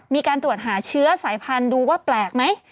มีการตรวจหาเชื้อสายพันธุ์ดูว่าแปลกไหม